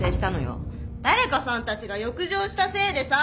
誰かさんたちが欲情したせいでさ。